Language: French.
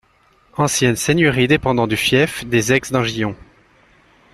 Ancienne seigneurie dépendant du fief des Aix d'Angillon.